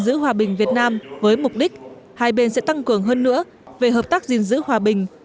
giữ hòa bình việt nam với mục đích hai bên sẽ tăng cường hơn nữa về hợp tác gìn giữ hòa bình